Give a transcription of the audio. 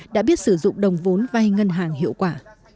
đã biết sử dụng đồng vốn vay ngân hàng hiệu quả